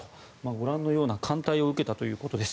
ご覧のような歓待を受けたということです。